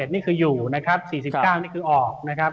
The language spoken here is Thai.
นี่คืออยู่นะครับ๔๙นี่คือออกนะครับ